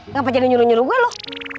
ngapain jangan nyuruh nyuruh gue loh